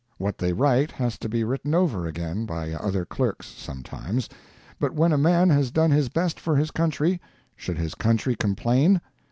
What they write has to be written over again by other clerks sometimes; but when a man has done his best for his country, should his country complain?